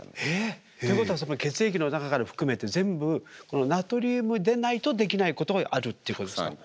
えぇっ？ということは血液の中から含めて全部ナトリウムでないとできないことがあるということですか？